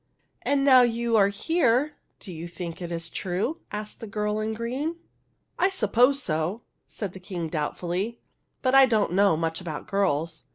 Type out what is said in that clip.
" And now you are here, do you think it is true ?" asked the girl in green. " I suppose so," said the King, doubtfully ;" but I don't know much about girls.